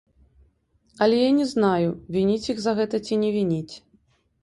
Але я не знаю, вініць іх за гэта ці не вініць.